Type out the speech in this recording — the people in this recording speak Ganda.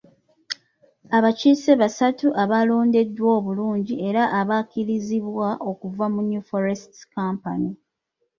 Abakiise basatu abalondeddwa obulungi era abakkirizibwa okuva mu New Forests Company.